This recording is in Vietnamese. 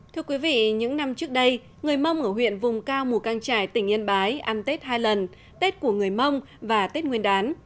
thưa quý vị những năm trước đây người mông ở huyện vùng cao mù căng trải tỉnh yên bái ăn tết hai lần tết của người mông và tết nguyên đán